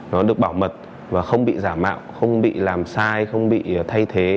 nó được bảo mật và không bị giả mạo không bị làm sai không bị thay thế